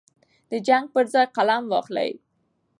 د جنګ پر ځای قلم واخلئ.